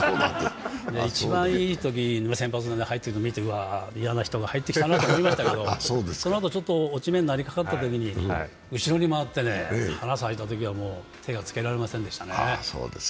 一番いいときの先発で入ってるのを見て、うわ、嫌な人が入ってきたなと思いましたけど、そのあと、ちょっと落ち目になりかかったとき、後ろに回って花咲いたときはもう、手がつけられませんでしたね。